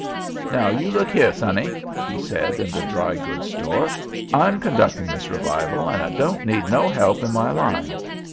"Now you look here, sonny," he said, in the dry goods store, "I'm conducting this revival, an' I don't need no help in my line.